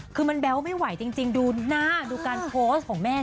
คือมันแบ๊วไม่ไหวจริงดูหน้าดูการโพสต์ของแม่